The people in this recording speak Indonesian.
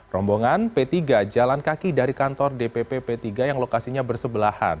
rombongan p tiga jalan kaki dari kantor dpp p tiga yang lokasinya bersebelahan